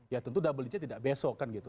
ya tentu double nya tidak besok kan gitu